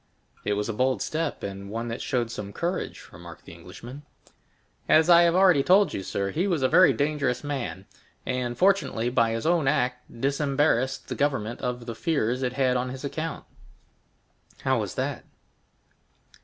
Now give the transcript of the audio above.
"It was a bold step, and one that showed some courage," remarked the Englishman. "As I have already told you, sir, he was a very dangerous man; and, fortunately, by his own act disembarrassed the government of the fears it had on his account." "How was that?"